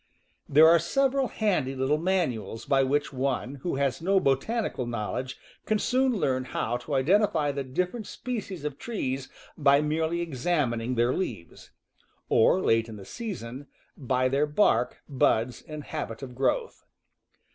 There are several handy little manuals by which one who has no botanical knowledge can soon learn how to identify the different species of trees by merely examin ing their leaves; or, late in the season, by their bark, buds, and habit of growth.